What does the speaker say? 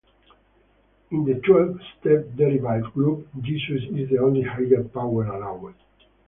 In the twelve-step derived group, Jesus is the only higher power allowed.